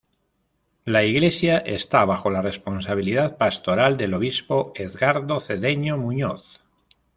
La iglesia esta bajo la responsabilidad pastoral del obispo Edgardo Cedeño Muñoz.